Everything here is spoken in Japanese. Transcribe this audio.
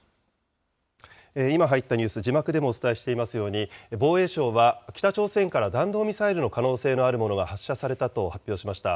今、入ったニュース、字幕でもお伝えしていますように、防衛省は、北朝鮮から弾道ミサイルの可能性のあるものが発射されたと発表しました。